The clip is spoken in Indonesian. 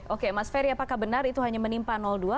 oke mas ferry apakah benar itu hanya menimpa dua